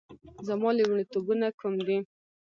زما لومړیتوبونه کوم دي؟